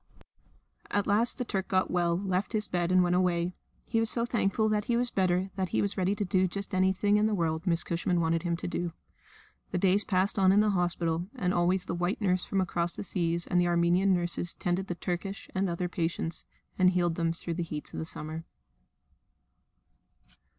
At last the Turk got well, left his bed, and went away. He was so thankful that he was better that he was ready to do just anything in the world that Miss Cushman wanted him to do. The days passed on in the hospital, and always the white nurse from across the seas and the Armenian nurses tended the Turkish and other patients, and healed them through the heats of that summer.